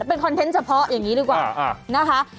เป็นคอนเทนต์เฉพาะอย่างนี้ดีกว่านะคะ